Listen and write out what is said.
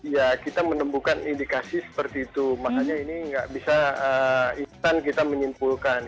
ya kita menemukan indikasi seperti itu makanya ini nggak bisa instan kita menyimpulkan